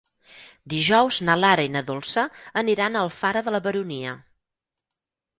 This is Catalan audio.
Dijous na Lara i na Dolça aniran a Alfara de la Baronia.